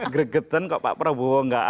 gregetan kok pak prabowo enggak